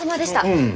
うん。